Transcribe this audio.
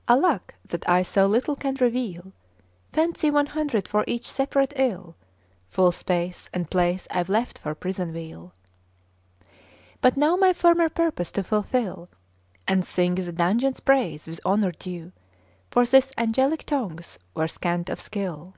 ' 'Alack that I so little can reveal! Fancy one hundred for each separate ill: Full space and place I've left for prison weal! But now my former purpose to fulfil, '' And sing the dungeon's praise with honour due For this angelic tongues were scant of skill.